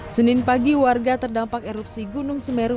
senin pagi warga terdampak erupsi gunung semeru